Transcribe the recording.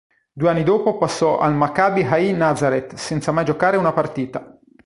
Due anni dopo passò al Maccabi Ahi Nazareth, senza mai giocare una partita.